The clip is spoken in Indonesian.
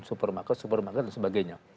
supermarket supermarket dan sebagainya